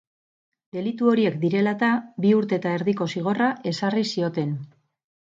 Delitu horiek direla eta, bi urte eta erdiko zigorra ezarri zioten.